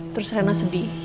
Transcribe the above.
terus rayana sedih